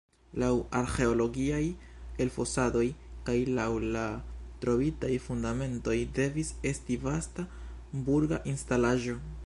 Laŭ arĥeologiaj elfosadoj kaj laŭ la trovitaj fundamentoj devis estis vasta burga instalaĵo.